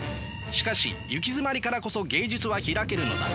しかしゆきづまりからこそ芸術は開けるのだ。